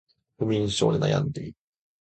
不眠症で悩んでいる